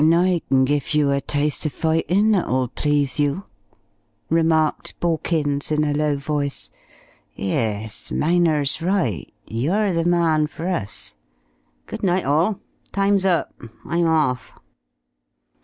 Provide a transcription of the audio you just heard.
"Reckon I can give you a taste of fightin' that'll please you," remarked Borkins in a low voice. "Yes, Mainer's right. You're the man for us.... Good night, all. Time's up. I'm off."